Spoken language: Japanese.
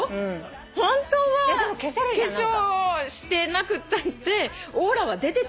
本当は化粧してなくったってオーラは出ててほしいよ。